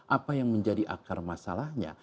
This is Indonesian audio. apa yang menjadi akar masalahnya